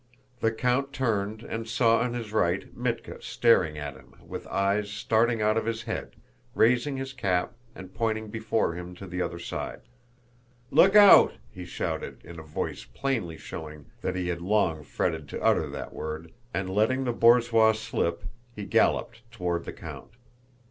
The count turned and saw on his right Mítka staring at him with eyes starting out of his head, raising his cap and pointing before him to the other side. "Look out!" he shouted, in a voice plainly showing that he had long fretted to utter that word, and letting the borzois slip he galloped toward the count.